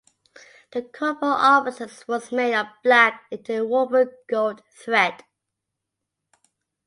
The cord for officers was made of black interwoven gold thread.